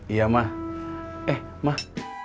iya mak eh mak